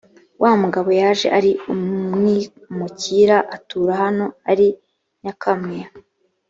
wa mugabo yaje ari umwimukira atura hano ari nyakamwe